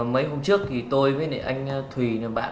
mấy hôm trước tôi với anh thùy